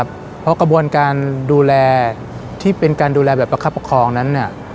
เพราะกระบวนการดูแลที่เป็นการดูแลแบบประคับประคองนั้น